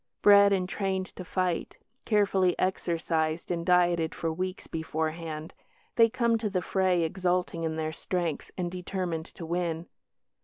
Bred and trained to fight, carefully exercised and dieted for weeks beforehand, they come to the fray exulting in their strength and determined to win.